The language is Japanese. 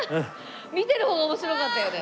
見てる方が面白かったよね。